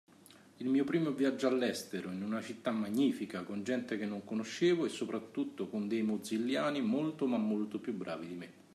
Il mio primo viaggio all’estero, in una città magnifica, con gente che non conoscevo e sopratutto con dei Mozilliani molto ma molto più bravi di me.